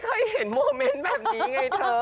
ก็มันไม่เคยเห็นโมเม้นต์แบบนี้ไงเธอ